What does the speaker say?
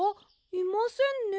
いませんね。